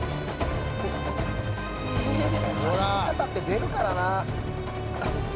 「走り方って出るからな」